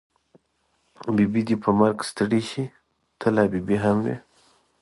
ببۍ دې په مرګ ستړې شې، ته لا ببۍ هم وی.